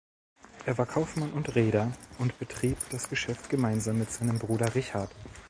Er war Kaufmann und Reeder und betrieb das Geschäft gemeinsam mit seinem Bruder Richard.